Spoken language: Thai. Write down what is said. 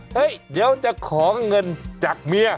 เดี๋ยวจะขอเงินจากเมีย